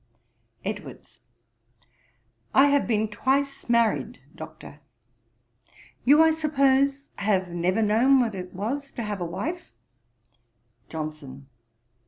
EDWARDS. 'I have been twice married, Doctor. You, I suppose, have never known what it was to have a wife.' JOHNSON.